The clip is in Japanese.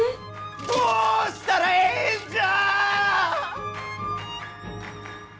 どうしたらええんじゃ。